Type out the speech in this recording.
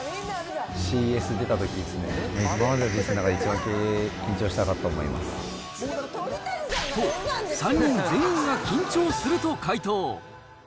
ＣＳ出たときですね、今までの人生の中で一番緊張したかと思と、３人全員が緊張すると回答。